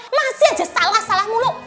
masih aja salah salah muluk